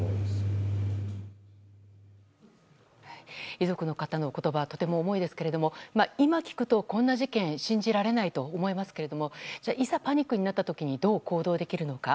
遺族の方の言葉とても重いですけれども今、聞くとこんな事件信じられないと思いますけどもいざパニックになった時にどう行動できるのか。